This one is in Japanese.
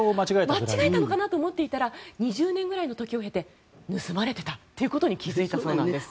間違えたと思っていたら２０年以上の時を経て盗まれていたことに気付いたそうなんです。